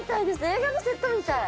映画のセットみたい。